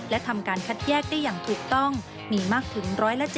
และทำการคัดแยกได้อย่างถูกต้องมีมากถึง๑๗๐